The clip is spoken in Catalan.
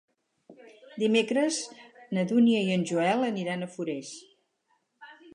Dimecres na Dúnia i en Joel aniran a Forès.